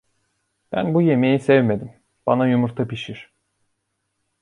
Ben bu yemeği sevmedim, bana yumurta pişir.